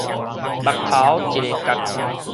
目頭一下結